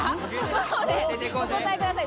５秒でお答えください。